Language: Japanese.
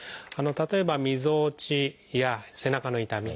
例えばみぞおちや背中の痛み